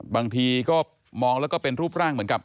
บางทีก็มองแล้วก็เป็นรูปร่างเหมือนกับ